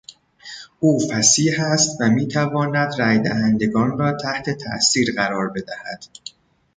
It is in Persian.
او فصیح است و میتواند رای دهندگان را تحت تاثیر قرار بدهد.